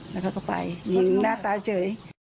แล้วเขาก็ไปยิงหน้าตาเฉย